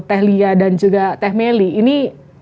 teh lia dan juga teh meli ini